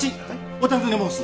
お尋ね申す。